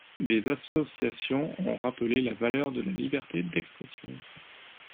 Des associations ont rappelé la valeur de la liberté d'expression.